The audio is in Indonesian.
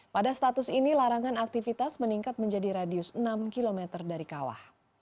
pada status ini larangan aktivitas meningkat menjadi radius enam km dari kawah